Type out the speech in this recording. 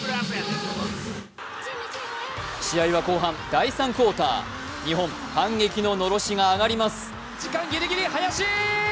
試合は後半、第３クオーター、日本、反撃ののろしが上がります。